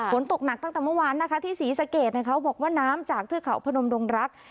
ฝนตกหนักตั้งแต่เมื่อวานนะคะที่ศรีสะเกดเขาบอกว่าน้ำจากเทือกเขาพนมดงรัก